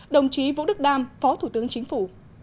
đồng chí vũ đức đam phó thủ tướng chính phủ